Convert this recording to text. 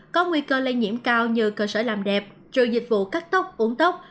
có nguy cơ lây nhiễm cao như cơ sở làm đẹp trừ dịch vụ cắt tóc uống tóc